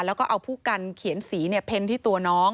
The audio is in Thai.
แล้วก็เอาผู้กันเขียนสีเพ็ญที่ตัวน้อง